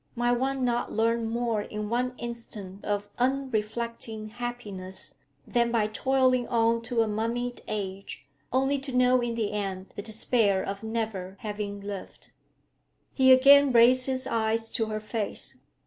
Might one not learn more in one instant of unreflecting happiness than by toiling on to a mummied age, only to know in the end the despair of never having lived?' He again raised his eyes to her face.